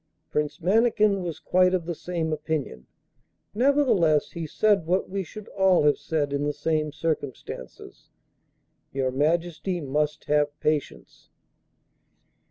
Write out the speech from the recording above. Prince Mannikin was quite of the same opinion; nevertheless he said what we should all have said in the same circumstances: 'Your Majesty must have patience.